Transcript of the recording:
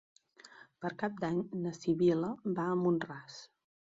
Per Cap d'Any na Sibil·la va a Mont-ras.